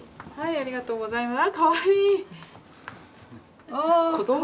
ありがとうございます。